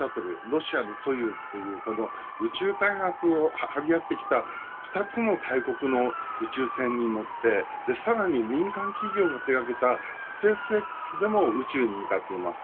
ロシアのソユーズという宇宙開発を高め合ってきた２つの大国の宇宙船に乗ってさらに民間企業が手掛けたスペースＸでも宇宙へと向かっています。